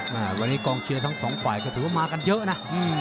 แม่วันนี้กองเชียร์ทั้งสองฝ่ายก็ถือว่ามากันเยอะนะ